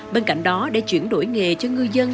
bên cạnh đó để chuyển đổi nghề cho ngư dân